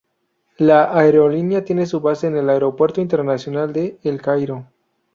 La aerolínea tiene su base en el Aeropuerto Internacional de El Cairo.